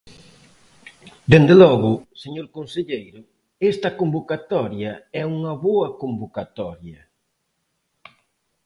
Dende logo, señor conselleiro, esta convocatoria é unha boa convocatoria.